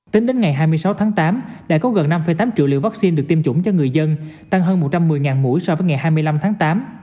tính đến ngày hai mươi sáu tháng tám đã có gần năm tám triệu liều vaccine được tiêm chủng cho người dân tăng hơn một trăm một mươi mũi so với ngày hai mươi năm tháng tám